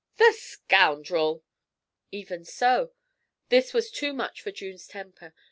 'The scoundrel!' 'Even so. This was too much for June's temper.